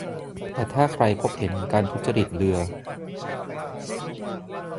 แต่ถ้าใครพบเห็นการทุจริตเลือ